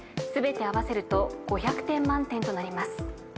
全て合わせると５００点満点となります。